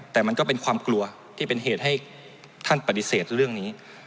แต่มันก็เป็นความกลัวที่เป็นเหตุให้ท่านปฏิเสธเรื่องนี้